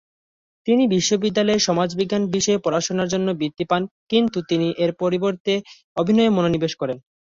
তিনি বিশ্ববিদ্যালয়ে সমাজবিজ্ঞান বিষয়ে পড়াশুনার জন্য বৃত্তি পান, কিন্তু তিনি এর পরিবর্তে অভিনয়ে মনোনিবেশ করেন।